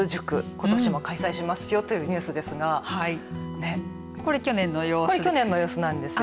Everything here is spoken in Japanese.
ことしも開催しますよというニュースですがこれ、去年の様子なんですよね。